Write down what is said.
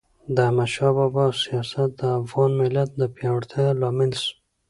د احمد شاه بابا سیاست د افغان ملت د پیاوړتیا لامل سو.